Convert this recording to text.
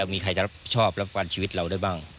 มีใครจะชอบรับประวัติชีวิตเราได้บ้าง